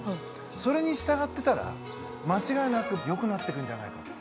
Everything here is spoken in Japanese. それに従ってたら間違いなくよくなってくんじゃないかって。